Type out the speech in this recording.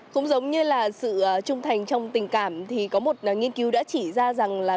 cũng giống như là sự trung thành trong tình cảm thì có một nghiên cứu đã chỉ ra rằng là